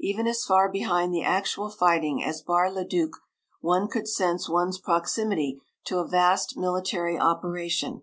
Even as far behind the actual fighting as Bar le Duc one could sense one's proximity to a vast military operation.